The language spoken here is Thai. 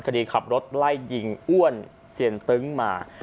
คดีขับรถไล่ยิงอ้วนเซียนตึ้งมา